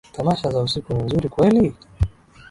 Tamasha za usiku ni nzuri kweli?